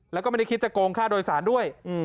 แล้วก็ไม่ได้คิดจะโกงค่าโดยสารด้วย